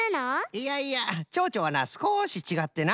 いやいやチョウチョはなすこしちがってな